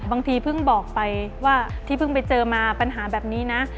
บางทีเพิ่งบอกไปว่าที่เพิ่งไปเจอมาปัญหาแบบนี้นะ